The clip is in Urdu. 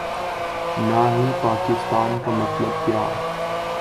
نا ہی پاکستان کا مطلب کیا